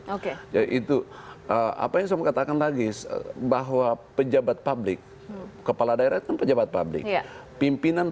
oke itu apa yang saya mau katakan lagi bahwa pejabat publik kepala daerah kan pejabat publik pimpinan